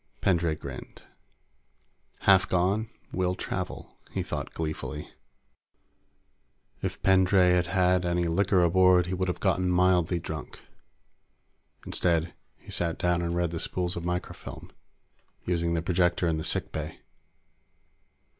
Pendray grinned. Half gone, will travel, he thought gleefully. If Pendray had had any liquor aboard, he would have gotten mildly drunk. Instead, he sat down and read the spools of microfilm, using the projector in the sick bay.